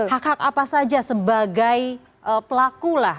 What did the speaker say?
hak hak apa saja sebagai pelaku lah